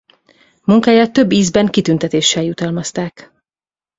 Munkáját több ízben kitüntetéssel jutalmazták.